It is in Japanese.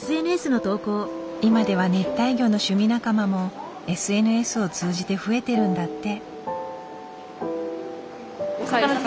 今では熱帯魚の趣味仲間もＳＮＳを通じて増えてるんだって。